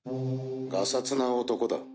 がさつな男だ。